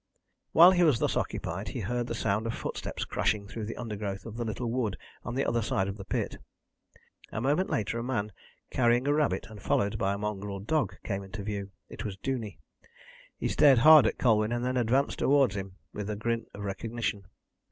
While he was thus occupied he heard the sound of footsteps crashing through the undergrowth of the little wood on the other side of the pit. A moment later a man, carrying a rabbit, and followed by a mongrel dog, came into view. It was Duney. He stared hard at Colwyn and then advanced towards him with a grin of recognition.